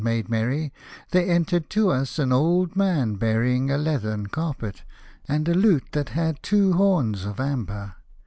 made merry, there entered to us an old man bearing a leathern carpet and a lute that had two horns of amber.